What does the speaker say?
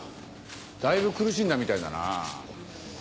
だいぶ苦しんだみたいだなぁ。